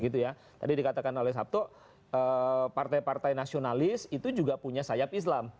tadi dikatakan oleh sabto partai partai nasionalis itu juga punya sayap islam